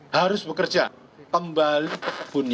harus bekerja kembali ke buni